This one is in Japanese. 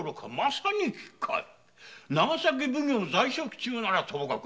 奉行在職中ならともかく